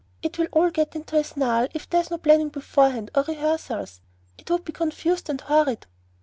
It will all get into a snarl if there is no planning beforehand or rehearsals; it would be confused and horrid."